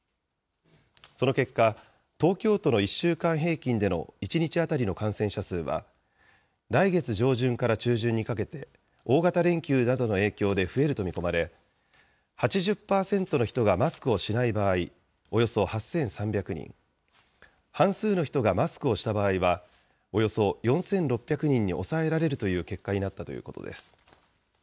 その結果、東京都の１週間平均での１日当たりの感染者数は、来月上旬から中旬にかけて、大型連休などの影響で増えると見込まれ、８０％の人がマスクをしない場合、およそ８３００人、半数の人がマスクをした場合は、およそ４６００人に抑えられるという結果になったということです。